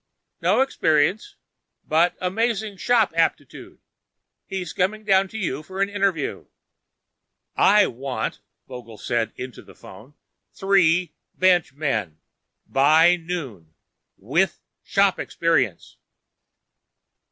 "No experience, but amazing shop aptitude. He's coming down to you for an interview." "I want," Vogel said into the phone, "three bench men. By noon. With shop experience."